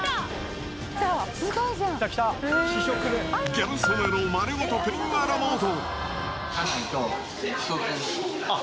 ギャル曽根の丸ごとプリンアラモード。